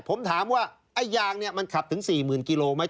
ผมถามว่ายางนี่มันขับถึง๔๐๐๐๐กิโลกรัมไหม